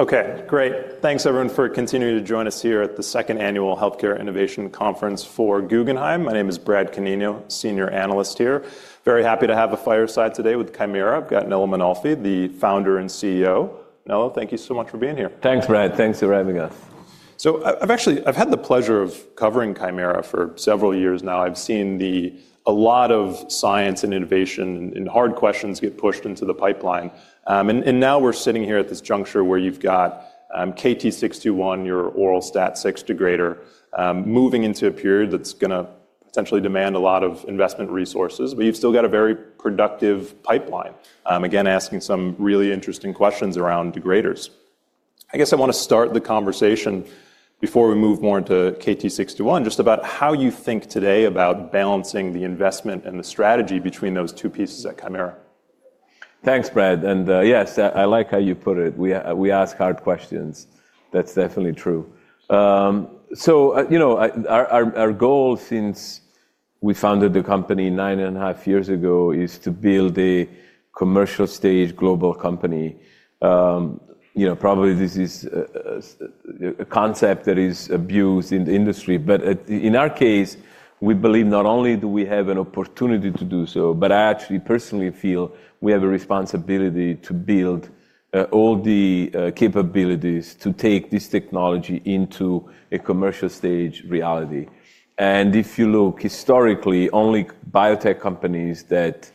Okay, great. Thanks, everyone, for continuing to join us here at the Second Annual Healthcare Innovation Conference for Guggenheim. My name is Brad Canino, Senior Analyst here. Very happy to have a fireside today with Kymera. I've got Nello Mainolfi, the founder and CEO. Nello, thank you so much for being here. Thanks, Brad. Thanks for having us. I've actually had the pleasure of covering Kymera for several years now. I've seen a lot of science and innovation and hard questions get pushed into the pipeline. Now we're sitting here at this juncture where you've got KT-621, your oral STAT6 degrader, moving into a period that's going to potentially demand a lot of investment resources, but you've still got a very productive pipeline, again, asking some really interesting questions around degraders. I guess I want to start the conversation before we move more into KT-621, just about how you think today about balancing the investment and the strategy between those two pieces at Kymera. Thanks, Brad. Yes, I like how you put it. We ask hard questions. That's definitely true. Our goal since we founded the company nine and a half years ago is to build a commercial stage global company. Probably this is a concept that is abused in the industry, but in our case, we believe not only do we have an opportunity to do so, but I actually personally feel we have a responsibility to build all the capabilities to take this technology into a commercial stage reality. If you look historically, only biotech companies that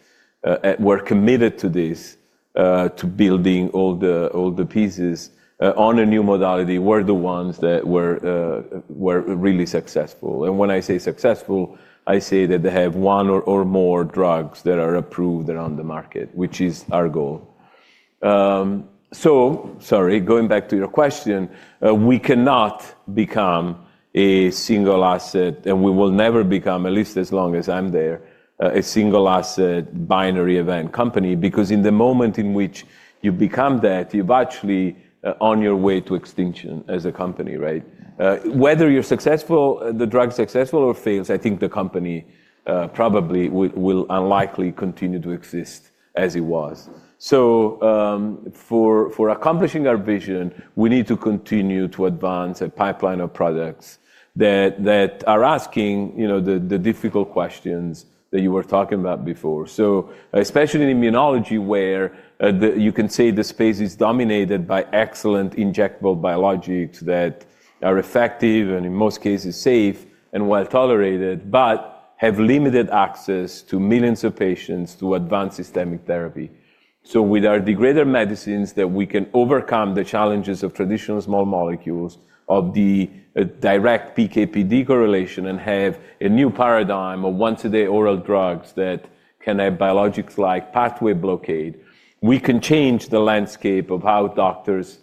were committed to this, to building all the pieces on a new modality, were the ones that were really successful. When I say successful, I say that they have one or more drugs that are approved around the market, which is our goal. Sorry, going back to your question, we cannot become a single asset, and we will never become, at least as long as I'm there, a single asset binary event company, because in the moment in which you become that, you're actually on your way to extinction as a company, right? Whether you're successful, the drug is successful or fails, I think the company probably will unlikely continue to exist as it was. For accomplishing our vision, we need to continue to advance a pipeline of products that are asking the difficult questions that you were talking about before. Especially in immunology, where you can say the space is dominated by excellent injectable biologics that are effective and in most cases safe and well tolerated, but have limited access to millions of patients to advance systemic therapy. With our degrader medicines, that we can overcome the challenges of traditional small molecules of the direct PK/PD correlation and have a new paradigm of once a day oral drugs that can have biologics-like pathway blockade, we can change the landscape of how doctors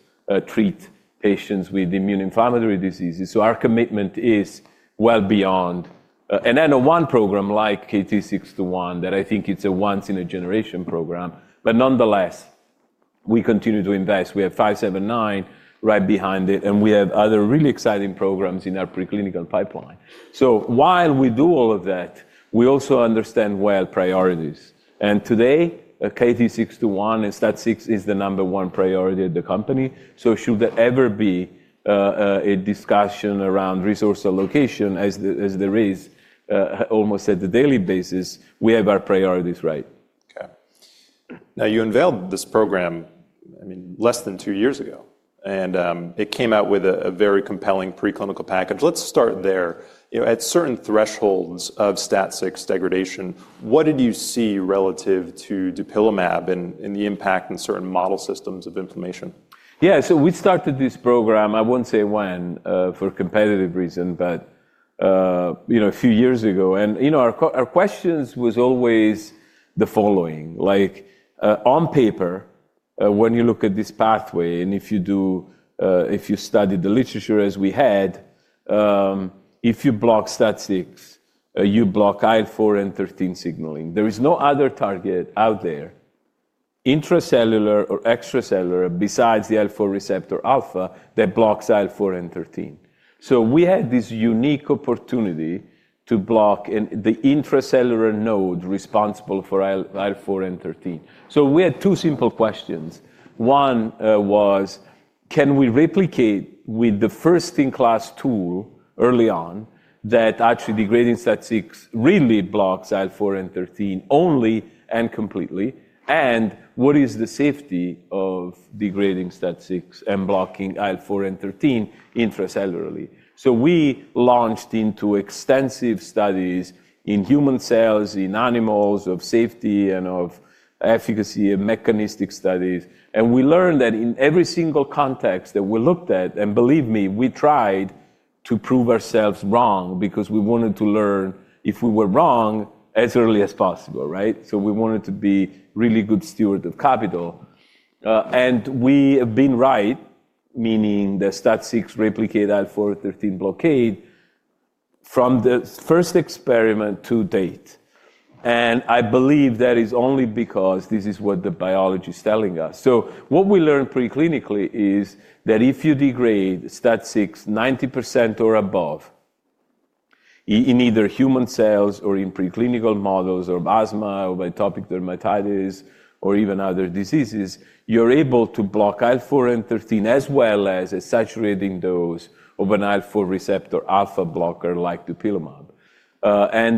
treat patients with immune inflammatory diseases. Our commitment is well beyond a number one program like KT-621 that I think is a once in a generation program, but nonetheless, we continue to invest. We have KT-579 right behind it, and we have other really exciting programs in our preclinical pipeline. While we do all of that, we also understand well priorities. Today, KT-621 and STAT6 is the number one priority at the company. Should there ever be a discussion around resource allocation, as there is almost on a daily basis, we have our priorities right. Okay. Now you unveiled this program less than two years ago, and it came out with a very compelling preclinical package. Let's start there. At certain thresholds of STAT6 degradation, what did you see relative to dupilumab and the impact in certain model systems of inflammation? Yeah, so we started this program, I won't say when for competitive reasons, but a few years ago. Our questions were always the following. On paper, when you look at this pathway, and if you study the literature as we had, if you block STAT6, you block IL-4 and IL-13 signaling. There is no other target out there, intracellular or extracellular, besides the IL-4 receptor alpha that blocks IL-4 and IL-13. We had this unique opportunity to block the intracellular node responsible for IL-4 and 13. We had two simple questions. One was, can we replicate with the first in class tool early on that actually degrading STAT6 really blocks IL-4 and IL-13 only and completely? And what is the safety of degrading STAT6 and blocking IL-4 and IL-13 intracellularly? We launched into extensive studies in human cells, in animals, of safety and of efficacy and mechanistic studies. We learned that in every single context that we looked at, and believe me, we tried to prove ourselves wrong because we wanted to learn if we were wrong as early as possible, right? We wanted to be really good stewards of capital. We have been right, meaning that STAT6 replicated IL-4 and IL-13 blockade from the first experiment to date. I believe that is only because this is what the biology is telling us. What we learned preclinically is that if you degrade STAT6 90% or above in either human cells or in preclinical models of asthma or atopic dermatitis or even other diseases, you're able to block IL-4 and IL-13 as well as a saturating dose of an IL-4 receptor alpha blocker like dupilumab.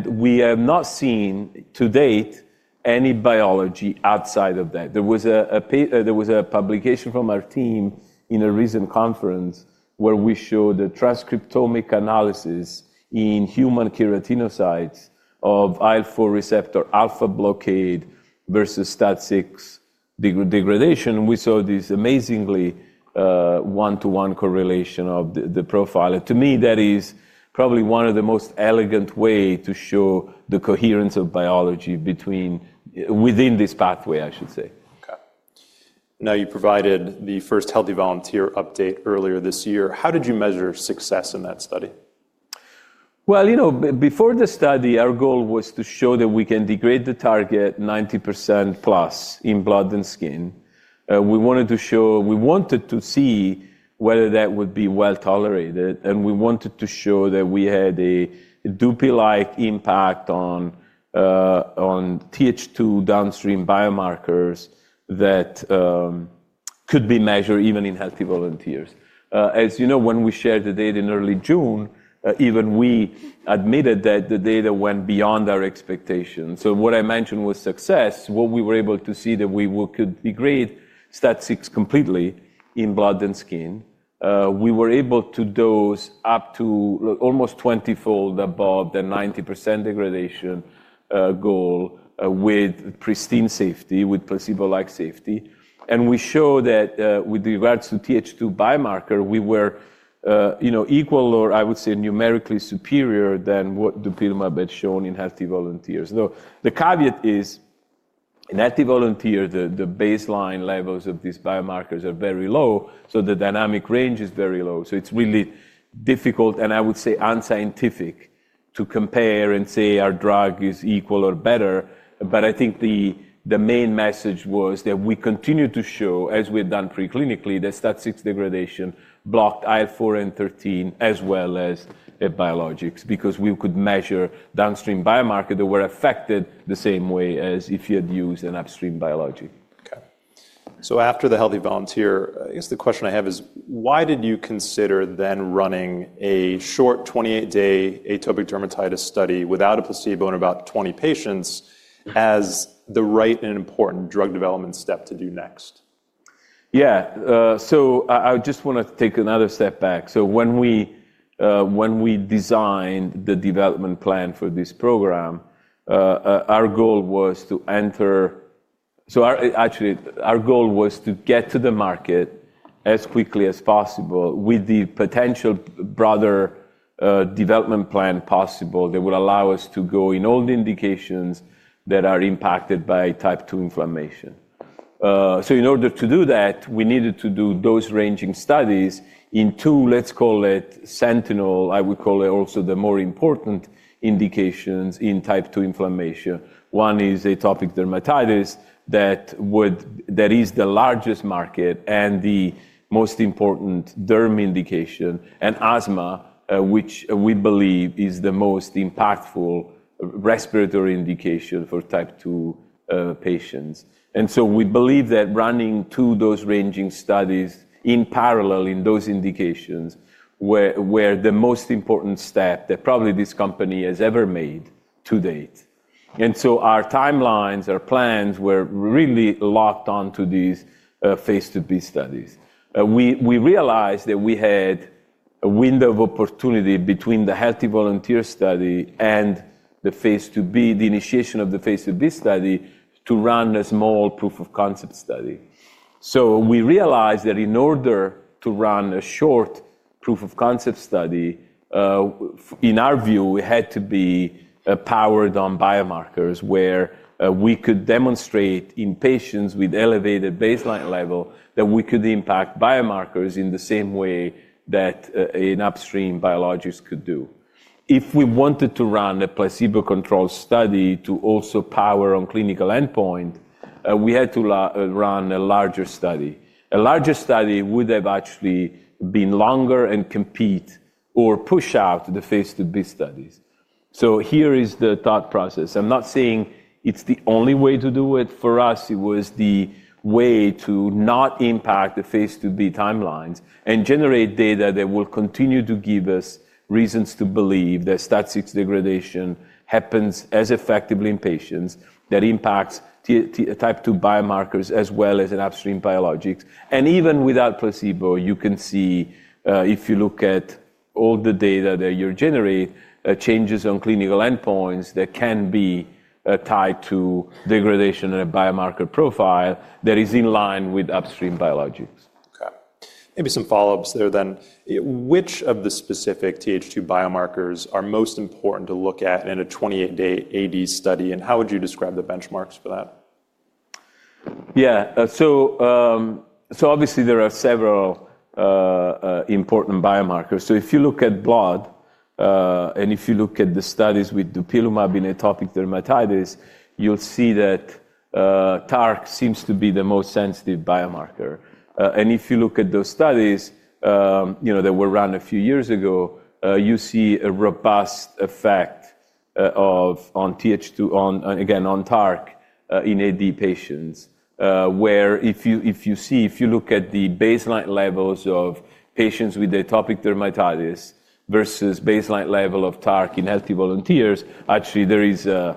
We have not seen to date any biology outside of that. There was a publication from our team in a recent conference where we showed a transcriptomic analysis in human keratinocytes of IL-4 receptor alpha blockade versus STAT6 degradation. We saw this amazingly one-to-one correlation of the profile. To me, that is probably one of the most elegant ways to show the coherence of biology within this pathway, I should say. Okay. Now you provided the first healthy volunteer update earlier this year. How did you measure success in that study? You know, before the study, our goal was to show that we can degrade the target 90% plus in blood and skin. We wanted to show, we wanted to see whether that would be well tolerated. We wanted to show that we had a dupli-like impact on TH2 downstream biomarkers that could be measured even in healthy volunteers. As you know, when we shared the data in early June, even we admitted that the data went beyond our expectations. What I mentioned was success. What we were able to see was that we could degrade STAT6 completely in blood and skin. We were able to dose up to almost 20-fold above the 90% degradation goal with pristine safety, with placebo-like safety. We show that with regards to the TH2 biomarker, we were equal or I would say numerically superior to what dupilumab had shown in healthy volunteers. The caveat is in healthy volunteers, the baseline levels of these biomarkers are very low, so the dynamic range is very low. It's really difficult and I would say unscientific to compare and say our drug is equal or better. I think the main message was that we continue to show, as we've done preclinically, that STAT6 degradation blocked IL-4 and IL-13 as well as biologics because we could measure downstream biomarkers that were affected the same way as if you had used an upstream biology. Okay. After the Healthy Volunteer, I guess the question I have is, why did you consider then running a short 28-day atopic dermatitis study without a placebo in about 20 patients as the right and important drug development step to do next? Yeah. I just want to take another step back. When we designed the development plan for this program, our goal was to enter, actually our goal was to get to the market as quickly as possible with the potential broader development plan possible that would allow us to go in all the indications that are impacted by type 2 inflammation. In order to do that, we needed to do dose-ranging studies in two, let's call it sentinel, I would call it also the more important indications in type 2 inflammation. One is atopic dermatitis that is the largest market and the most important derm indication, and asthma, which we believe is the most impactful respiratory indication for type 2 patients. We believe that running two dose-ranging studies in parallel in those indications were the most important step that probably this company has ever made to date. Our timelines, our plans were really locked onto these phase II-B studies. We realized that we had a window of opportunity between the Healthy Volunteer study and the phase II-B, the initiation of the phase II-B study to run a small proof of concept study. We realized that in order to run a short proof of concept study, in our view, we had to be powered on biomarkers where we could demonstrate in patients with elevated baseline level that we could impact biomarkers in the same way that an upstream biologist could do. If we wanted to run a placebo-controlled study to also power on clinical endpoint, we had to run a larger study. A larger study would have actually been longer and compete or push out the phase II-B studies. Here is the thought process. I'm not saying it's the only way to do it. For us, it was the way to not impact the phase II-B timelines and generate data that will continue to give us reasons to believe that STAT6 degradation happens as effectively in patients that impacts type 2 biomarkers as well as an upstream biologics. Even without placebo, you can see if you look at all the data that you generate, changes on clinical endpoints that can be tied to degradation in a biomarker profile that is in line with upstream biologics. Okay. Maybe some follow-ups there then. Which of the specific TH2 biomarkers are most important to look at in a 28-day AD study? How would you describe the benchmarks for that? Yeah. So obviously there are several important biomarkers. If you look at blood and if you look at the studies with dupilumab in atopic dermatitis, you'll see that TARC seems to be the most sensitive biomarker. If you look at those studies that were run a few years ago, you see a robust effect on TH2, again, on TARC in AD patients, where if you see, if you look at the baseline levels of patients with atopic dermatitis versus baseline level of TARC in healthy volunteers, actually there is an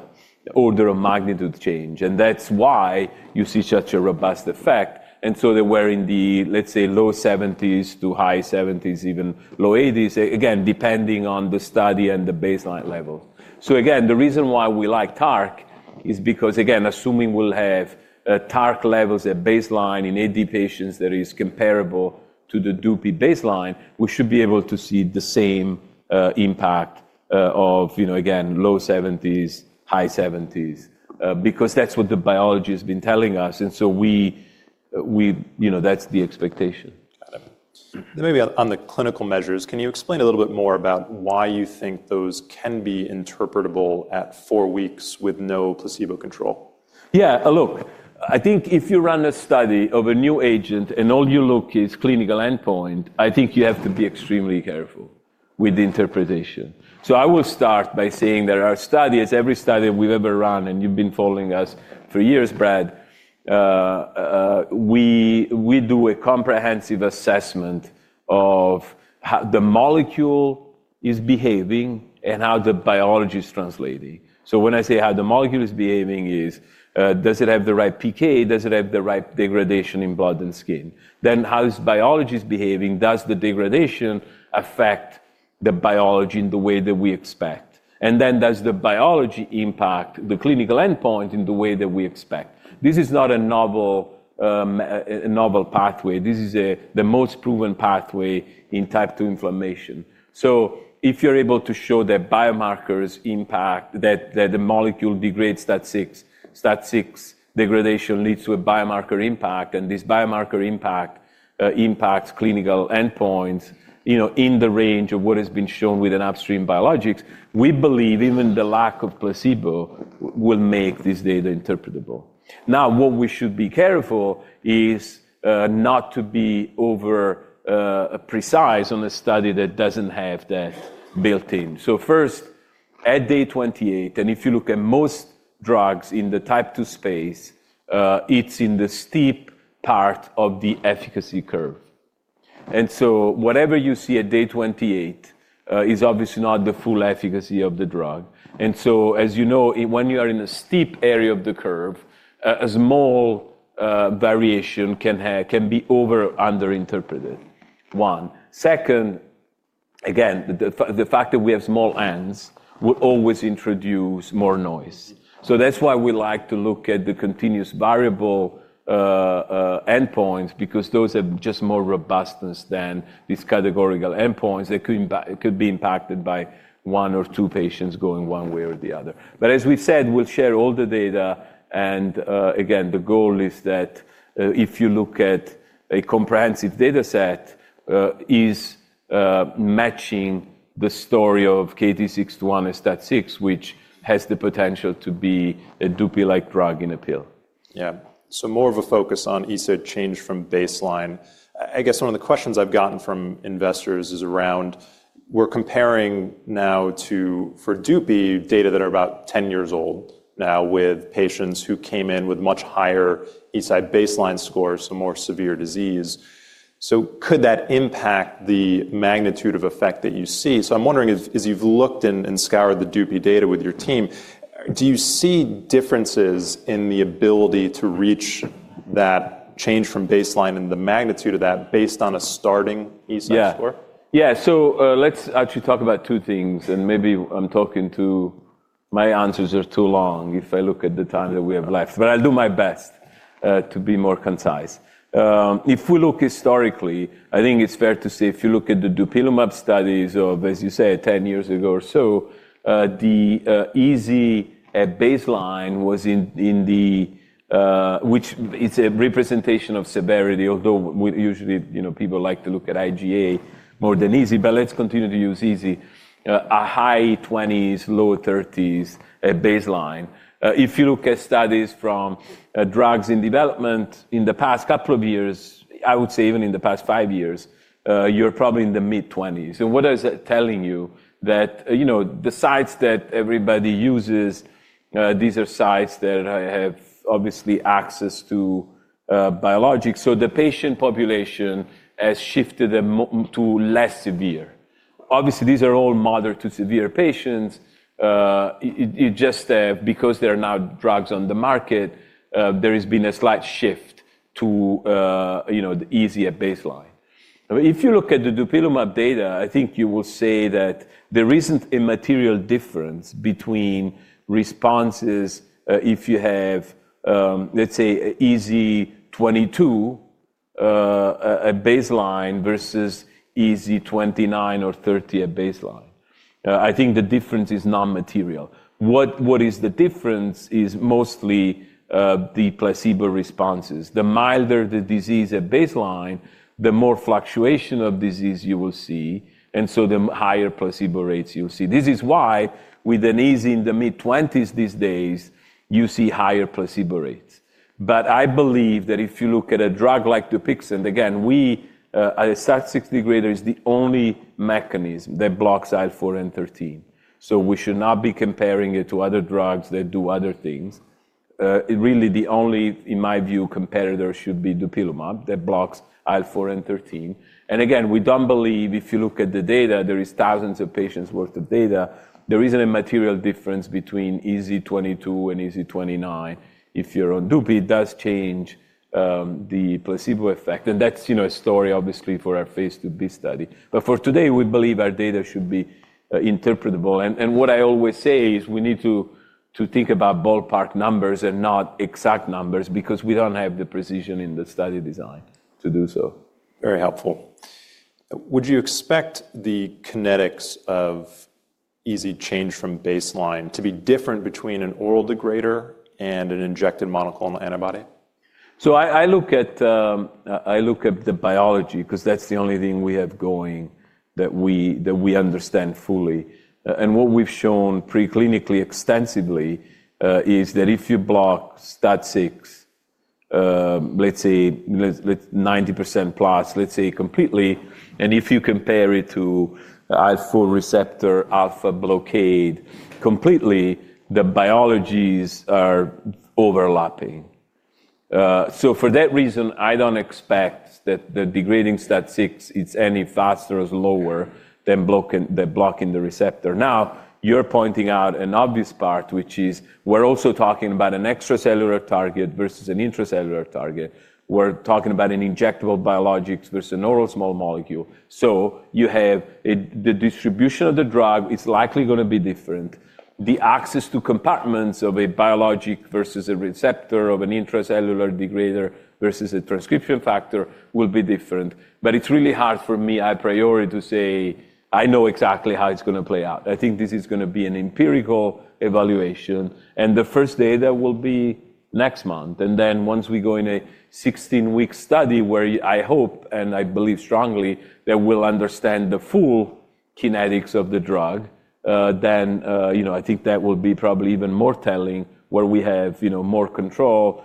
order of magnitude change. That is why you see such a robust effect. They were in the, let's say, low 70s to high 70s, even low 80s, again, depending on the study and the baseline level. Again, the reason why we like TARC is because, again, assuming we'll have TARC levels at baseline in AD patients that is comparable to the dupi baseline, we should be able to see the same impact of, again, low 70s-high 70s, because that's what the biology has been telling us. That is the expectation. Got it. Maybe on the clinical measures, can you explain a little bit more about why you think those can be interpretable at four weeks with no placebo control? Yeah. Look, I think if you run a study of a new agent and all you look at is clinical endpoint, I think you have to be extremely careful with the interpretation. I will start by saying that our study is, every study we've ever run, and you've been following us for years, Brad, we do a comprehensive assessment of how the molecule is behaving and how the biology is translating. When I say how the molecule is behaving, does it have the right PK? Does it have the right degradation in blood and skin? Then how is biology behaving? Does the degradation affect the biology in the way that we expect? Does the biology impact the clinical endpoint in the way that we expect? This is not a novel pathway. This is the most proven pathway in type 2 inflammation. If you're able to show that biomarker impact, that the molecule degrades STAT6, STAT6 degradation leads to a biomarker impact, and this biomarker impact impacts clinical endpoints in the range of what has been shown with an upstream biologic, we believe even the lack of placebo will make this data interpretable. What we should be careful about is not to be over precise on a study that doesn't have that built in. First, at day 28, and if you look at most drugs in the type 2 space, it's in the steep part of the efficacy curve. Whatever you see at day 28 is obviously not the full efficacy of the drug. As you know, when you are in a steep area of the curve, a small variation can be over-under interpreted. One. Second, again, the fact that we have small Ns will always introduce more noise. That is why we like to look at the continuous variable endpoints because those have just more robustness than these categorical endpoints that could be impacted by one or two patients going one way or the other. As we said, we'll share all the data. Again, the goal is that if you look at a comprehensive data set, it is matching the story of KT-621 and STAT6, which has the potential to be a dupi-like drug in a pill. Yeah. So more of a focus on, you said, change from baseline. I guess one of the questions I've gotten from investors is around, we're comparing now to, for dupi data that are about 10 years old now with patients who came in with much higher EASI baseline scores, so more severe disease. Could that impact the magnitude of effect that you see? I'm wondering, as you've looked and scoured the dupi data with your team, do you see differences in the ability to reach that change from baseline and the magnitude of that based on a starting EASI score? Yeah. Yeah. Let's actually talk about two things. Maybe I'm talking too long. My answers are too long if I look at the time that we have left. I'll do my best to be more concise. If we look historically, I think it's fair to say if you look at the dupilumab studies of, as you said, 10 years ago or so, the EASI baseline was in the, which is a representation of severity, although usually people like to look at IGA more than EASI, but let's continue to use EASI, a high 20s, low 30s at baseline. If you look at studies from drugs in development in the past couple of years, I would say even in the past five years, you're probably in the mid 20s. What is that telling you? That the sites that everybody uses, these are sites that have obviously access to biologics. So the patient population has shifted to less severe. Obviously, these are all moderate to severe patients. It just, because there are now drugs on the market, there has been a slight shift to the EASI at baseline. If you look at the dupilumab data, I think you will say that there isn't a material difference between responses if you have, let's say, EASI 22 at baseline versus EASI 29 or 30 at baseline. I think the difference is non-material. What is the difference is mostly the placebo responses. The milder the disease at baseline, the more fluctuation of disease you will see, and so the higher placebo rates you'll see. This is why with an EASI in the mid 20s these days, you see higher placebo rates. I believe that if you look at a drug like Dupixent, again, a STAT6 degrader is the only mechanism that blocks IL-4 and IL-13. We should not be comparing it to other drugs that do other things. Really, the only, in my view, competitor should be dupilumab that blocks IL-4 and IL-13. Again, we do not believe if you look at the data, there are thousands of patients' worth of data. There is not a material difference between EASI 22 and EASI 29. If you are on dupi, it does change the placebo effect. That is a story, obviously, for our phase II-B study. For today, we believe our data should be interpretable. What I always say is we need to think about ballpark numbers and not exact numbers because we do not have the precision in the study design to do so. Very helpful. Would you expect the kinetics of EASI change from baseline to be different between an oral degrader and an injected monoclonal antibody? I look at the biology because that's the only thing we have going that we understand fully. What we've shown preclinically extensively is that if you block STAT6, let's say 90% plus, let's say completely, and if you compare it to IL-4 receptor alpha blockade completely, the biologies are overlapping. For that reason, I don't expect that degrading STAT6 is any faster or lower than blocking the receptor. Now, you're pointing out an obvious part, which is we're also talking about an extracellular target versus an intracellular target. We're talking about an injectable biologic versus an oral small molecule. You have the distribution of the drug is likely going to be different. The access to compartments of a biologic versus a receptor of an intracellular degrader versus a transcription factor will be different. It's really hard for me, a priori, to say I know exactly how it's going to play out. I think this is going to be an empirical evaluation. The first data will be next month. Once we go in a 16-week study where I hope and I believe strongly that we'll understand the full kinetics of the drug, I think that will be probably even more telling where we have more control,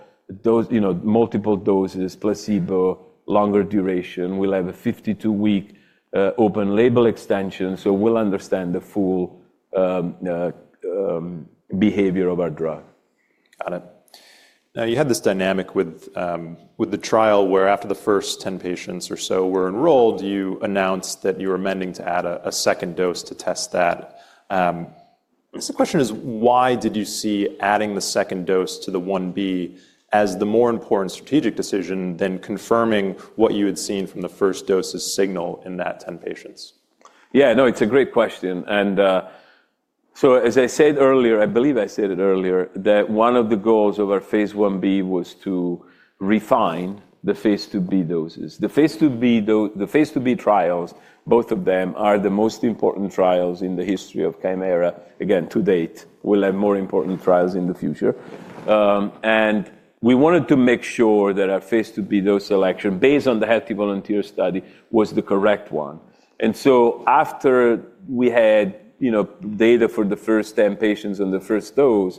multiple doses, placebo, longer duration. We'll have a 52-week open label extension, so we'll understand the full behavior of our drug. Got it. Now, you had this dynamic with the trial where after the first 10 patients or so were enrolled, you announced that you were amending to add a second dose to test that. The question is, why did you see adding the second dose to the 1B as the more important strategic decision than confirming what you had seen from the first dose's signal in that 10 patients? Yeah. No, it's a great question. As I said earlier, I believe I said it earlier, one of the goals of our phase I-B was to refine the phase II-B doses. The phase II-B trials, both of them, are the most important trials in the history of Kymera. Again, to date, we'll have more important trials in the future. We wanted to make sure that our phase II-B dose selection, based on the healthy volunteer study, was the correct one. After we had data for the first 10 patients and the first dose,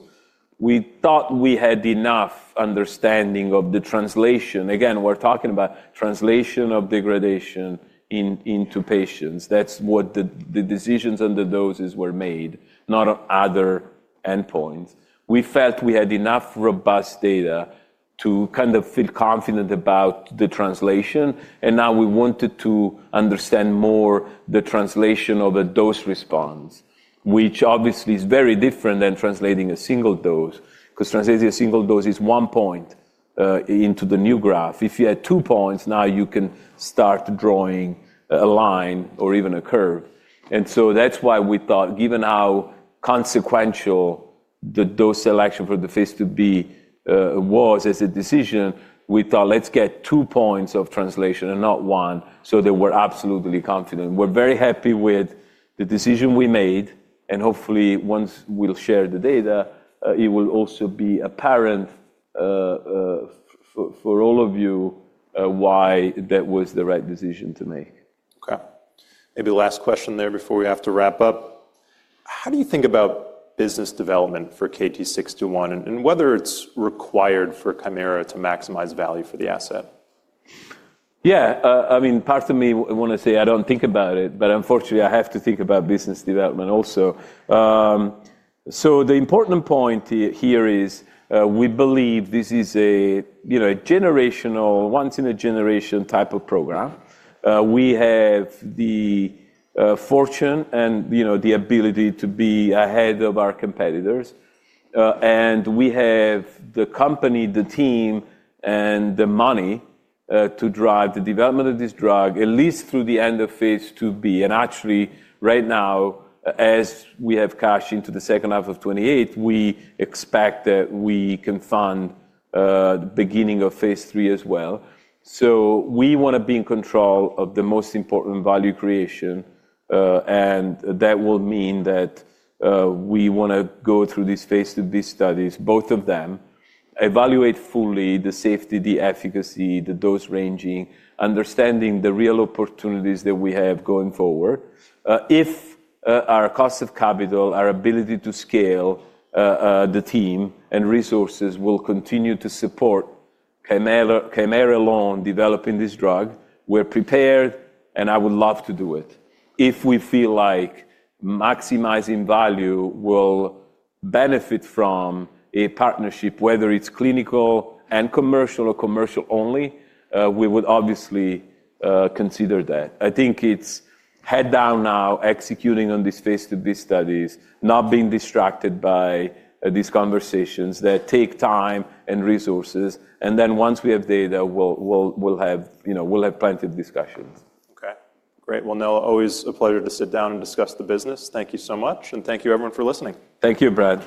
we thought we had enough understanding of the translation. Again, we're talking about translation of degradation into patients. That's what the decisions on the doses were made on, not on other endpoints. We felt we had enough robust data to kind of feel confident about the translation. We wanted to understand more the translation of a dose response, which obviously is very different than translating a single dose because translating a single dose is one point into the new graph. If you had two points, now you can start drawing a line or even a curve. That is why we thought, given how consequential the dose selection for the phase II-B was as a decision, we thought, let's get two points of translation and not one, so that we're absolutely confident. We're very happy with the decision we made. Hopefully, once we share the data, it will also be apparent for all of you why that was the right decision to make. Okay. Maybe last question there before we have to wrap up. How do you think about business development for KT-621 and whether it's required for Kymera to maximize value for the asset? Yeah. I mean, part of me wants to say I don't think about it, but unfortunately, I have to think about business development also. The important point here is we believe this is a generational, once-in-a-generation type of program. We have the fortune and the ability to be ahead of our competitors. We have the company, the team, and the money to drive the development of this drug, at least through the end of phase II-B. Actually, right now, as we have cash into the second half of 2028, we expect that we can fund the beginning of phase III as well. We want to be in control of the most important value creation. That will mean that we want to go through these phase II-B studies, both of them, evaluate fully the safety, the efficacy, the dose ranging, understanding the real opportunities that we have going forward. If our cost of capital, our ability to scale the team and resources will continue to support Kymera alone developing this drug, we're prepared, and I would love to do it. If we feel like maximizing value will benefit from a partnership, whether it's clinical and commercial or commercial only, we would obviously consider that. I think it's head down now, executing on these phase II-B studies, not being distracted by these conversations that take time and resources. Once we have data, we'll have plenty of discussions. Okay. Great. Nel, always a pleasure to sit down and discuss the business. Thank you so much. Thank you, everyone, for listening. Thank you, Brad.